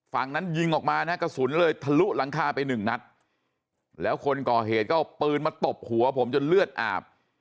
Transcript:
ฝั่งนั้นยิงออกมานะฮะกระสุนเลยทะลุหลังคาไปหนึ่งนัดแล้วคนก่อเหตุก็เอาปืนมาตบหัวผมจนเลือดอาบ